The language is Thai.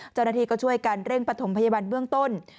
เจ้าหน้าที่ก็ช่วยกันเร่งปฐมพยาบาลเบื้องต้น